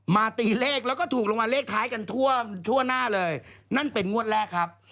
ตีเลขแล้วก็ถูกรางวัลเลขท้ายกันทั่วทั่วหน้าเลยนั่นเป็นงวดแรกครับ